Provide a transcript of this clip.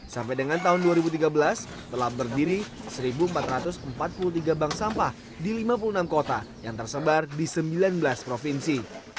sampai dengan tahun dua ribu tiga belas telah berdiri satu empat ratus empat puluh tiga bank sampah di lima puluh enam kota yang tersebar di sembilan belas provinsi